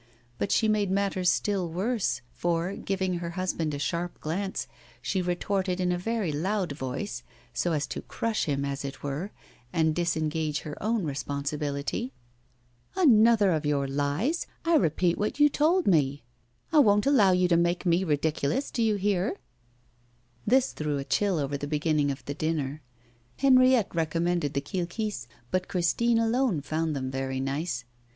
But she made matters still worse, for, giving her husband a sharp glance, she retorted in a very loud voice, so as to crush him, as it were, and disengage her own responsibility: 'Another of your lies! I repeat what you told me. I won't allow you to make me ridiculous, do you hear?' This threw a chill over the beginning of the dinner. Henriette recommended the kilkis, but Christine alone found them very nice.